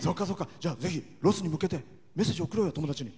ぜひ、ロスに向けてメッセージ送ろうよ、友達に。